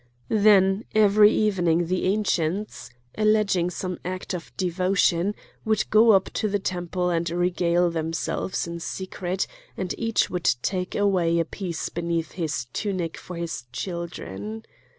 Then every evening the Ancients, alleging some act of devotion, would go up to the temple and regale themselves in secret, and each would take away a piece beneath his tunic for his children.